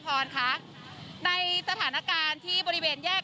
ภรคะในตระทรานคารที่บริเวนแยก